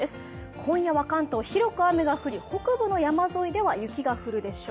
今夜は関東、広く雨が降り北部の山沿いでは雪が降るでしょう。